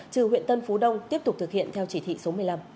trừ huyện tân phú đông tiếp tục thực hiện theo chỉ thị số một mươi năm